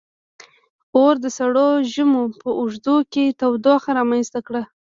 • اور د سړو ژمو په اوږدو کې تودوخه رامنځته کړه.